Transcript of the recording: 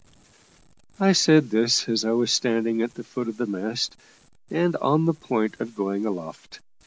I said this as I was standing at the foot of the mast, and on the point of going aloft.